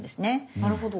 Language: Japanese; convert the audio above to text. なるほど。